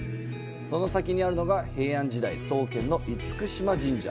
その先にあるのが平安時代創建の嚴島神社。